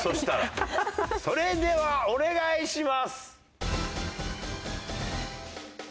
それではお願いします！